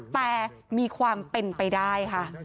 แต่มีความเป็นไปได้ค่ะ